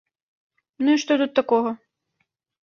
Ну і што тут такога?